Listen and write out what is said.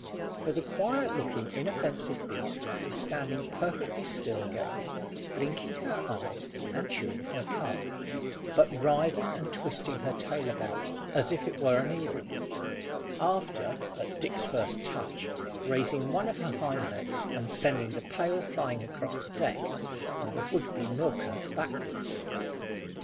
For the quiet looking, inoffensive beast was standing perfectly still again, blinking her eyes and chewing her cud, but writhing and twisting her tail about as if it were an eel, after, at Dick's first touch, raising one of her hind legs and sending the pail flying across the deck and the would be milker backwards.